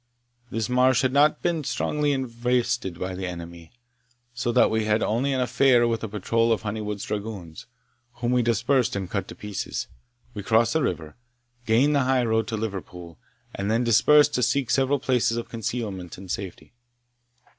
This marsh had not been strongly invested by the enemy, so that we had only an affair with a patrol of Honeywood's dragoons, whom we dispersed and cut to pieces. We crossed the river, gained the high road to Liverpool, and then dispersed to seek several places of concealment and safety.